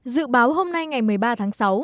dự báo hôm nay ngày một mươi ba tháng sáu